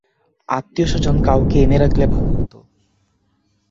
আত্নীয়স্বজন কাউকে এনে রাখলে ভালো হত।